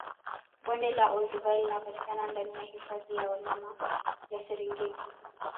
Bonde la Olduvai linapatikana ndani ya hifadhi ya wanyama ya Serengeti